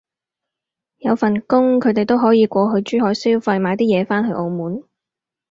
有份工，佢哋都可以過去珠海消費買啲嘢返去澳門